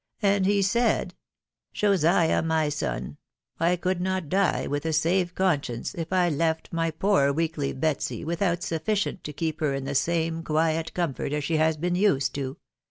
and he said, c Josiah, my son, I could not die with a safe conscience if 1 left my poor weakly Betsy without sufficient to keep her in the same quiet comfort *as she has been used to.